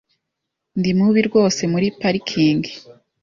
Ndi mubi rwose muri parikingi .